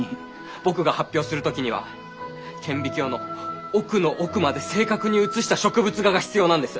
僕が発表する時には顕微鏡の奥の奥まで正確に写した植物画が必要なんです！